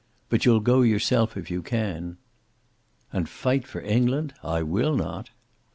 "But you'll go yourself, if you can." "And fight for England? I will not."